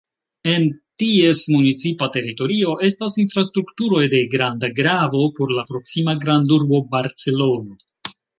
En ties municipa teritorio estas infrastrukturoj de granda gravo por la proksima grandurbo Barcelono.